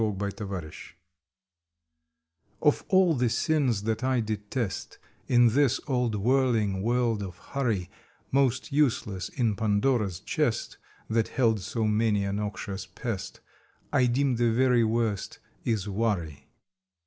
July Twentieth THE CALL all the sins that I detest In this old whirling world of hurry, Most useless in Pandora s chest That held so many a noxious pest, I deem the very worst is WORRY.